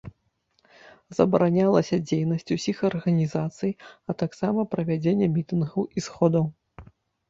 Забаранялася дзейнасць усіх арганізацый, а таксама правядзенне мітынгаў і сходаў.